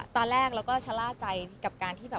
ตอนแรกเราก็ชะล่าใจกับการที่แบบ